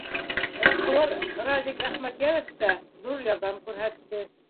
Эшҡыуар Радик Әхмәтйәнов та ҙур ярҙам күрһәтте.